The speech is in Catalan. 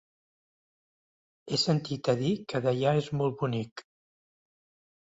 He sentit a dir que Deià és molt bonic.